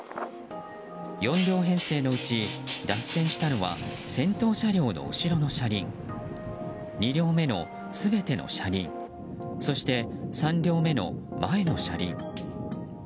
４両編成のうち、脱線したのは先頭車両の後ろの車輪２両目の全ての車輪そして、３両目の前の車輪。